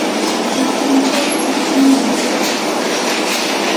makinchaw tiktim yuripashqa.